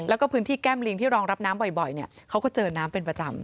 แล้วก็พื้นที่แก้มลิงที่รองรับน้ำบ่อยเขาก็เจอน้ำเป็นประจำ